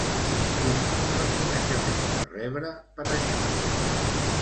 Quins reconeixements va rebre per això?